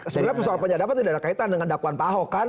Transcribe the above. sebenarnya soal penyadapan tidak ada kaitan dengan dakwaan pak ahok kan